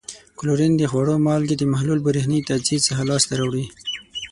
کلورین د خوړو مالګې د محلول برېښنايي تجزیې څخه لاس ته راوړي.